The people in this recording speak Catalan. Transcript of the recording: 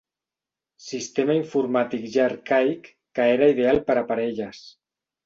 Sistema informàtic ja arcaic que era ideal per a parelles.